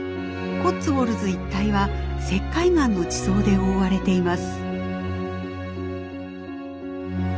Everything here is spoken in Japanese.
コッツウォルズ一帯は石灰岩の地層で覆われています。